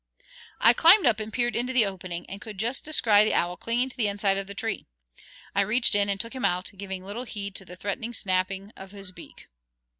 I climbed up and peered into the opening, and could just descry the owl clinging to the inside of the tree. I reached in and took him out, giving little heed to the threatening snapping of his beak.